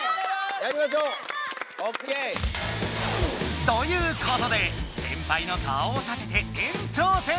やりましょう。ということで先輩の顔を立てて延長戦！